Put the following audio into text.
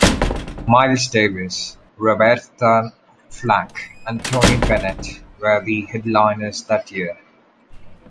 Miles Davis, Roberta Flack and Tony Bennett were the headliners that year.